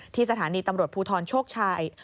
สถานีตำรวจภูทรโชคชัย